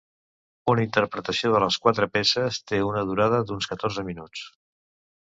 Una interpretació de les quatre peces té una durada d'uns catorze minuts.